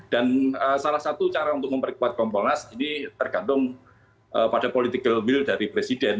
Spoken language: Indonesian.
dan salah satu cara untuk memperkuat kompolnas ini tergantung pada political will dari presiden